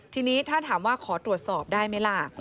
ทีนี้ถ้าถามว่าขอตรวจสอบได้ไหมล่ะ